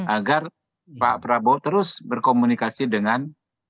agar pak prabowo terus berkomunikasi dengan